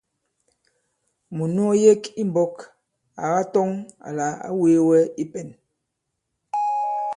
Mùt nu ɔ yek i mbɔ̄k à katɔŋ àlà ǎ wēe wɛ i pɛ̄n.